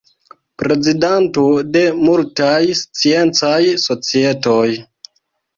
Prezidanto de multaj sciencaj societoj.